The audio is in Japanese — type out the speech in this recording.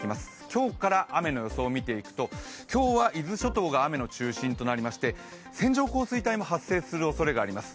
今日から雨の予想を見ていくと、今日は伊豆諸島が雨の中心となりまして線状降水帯も発生するおそれがあります。